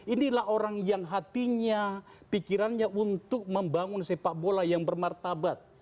inilah orang yang hatinya pikirannya untuk membangun sepak bola yang bermartabat